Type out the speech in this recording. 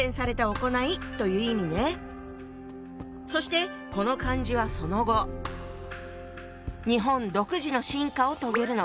そしてこの漢字はその後日本独自の進化を遂げるの。